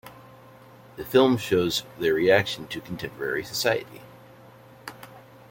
The film shows their reaction to contemporary society.